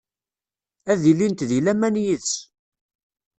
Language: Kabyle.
Ad ilint di laman yid-s.